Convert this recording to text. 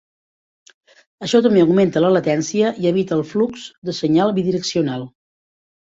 Això també augmenta la latència i evita el flux de senyal bidireccional.